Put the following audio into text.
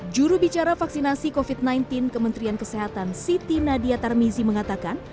jurubicara vaksinasi covid sembilan belas kementerian kesehatan siti nadia tarmizi mengatakan